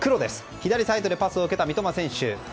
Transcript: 左サイドでパスを受けた三笘選手。